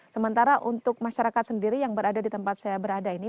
sementara untuk masyarakat sendiri yang berada di tempat saya berada ini